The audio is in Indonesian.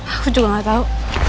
aku juga gak tau